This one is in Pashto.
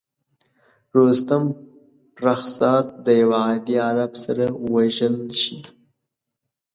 رستم فرخ زاد د یوه عادي عرب سره وژل شي.